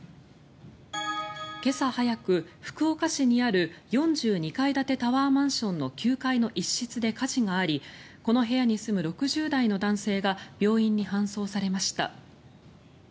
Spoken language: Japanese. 今朝早く、福岡市にある４２階建てタワーマンションの９階の一室で火事がありこの部屋に住む６０代の男性が病院に搬送されました。